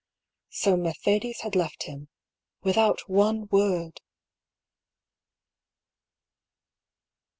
So Mercedes had left him — ^without one word!